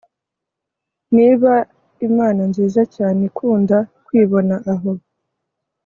Niba Imana nziza cyane ikunda kwibona aho